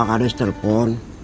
pak ades terpon